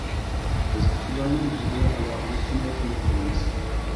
قىزىققۇچىلارنىڭ بىز بىلەن ئالاقىلىشىشىنى ئۈمىد قىلىمىز!